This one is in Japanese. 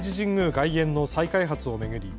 外苑の再開発を巡り